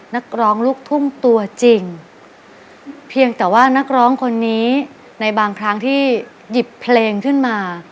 นักร้องลูกทุ่งตัวจริงเพียงแต่ว่านักร้องคนนี้ในบางครั้งที่หยิบเพลงขึ้นมา